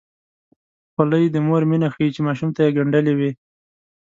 خولۍ د مور مینه ښيي چې ماشوم ته یې ګنډلې وي.